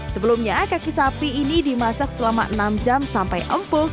sebelumnya kaki sapi ini dimasak selama enam jam sampai empuk